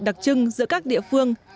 đặc trưng giữa các địa phương